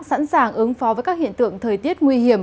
bằng ứng phó với các hiện tượng thời tiết nguy hiểm